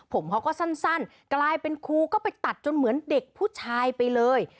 ผมเขาก็สั้นกลายเป็นครูก็ไปตัดจนเหมือนเด็กผู้ชายไปเลย